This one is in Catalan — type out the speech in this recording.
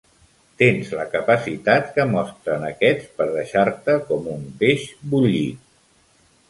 Tens la capacitat que mostren aquests per deixar-te com un peix bullit.